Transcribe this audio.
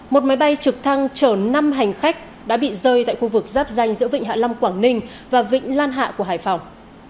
một máy bay trực thăng chở năm hành khách đã bị rơi tại khu vực giáp danh giữa vịnh hạ long quảng ninh và vịnh lan hạ của hải phòng